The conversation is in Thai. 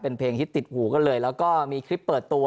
เป็นเพลงฮิตติดหูกันเลยแล้วก็มีคลิปเปิดตัว